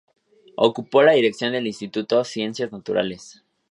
Ocupó la dirección del Instituto de Ciencias Naturales.